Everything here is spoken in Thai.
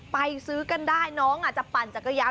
ซื้อกันได้น้องอาจจะปั่นจักรยาน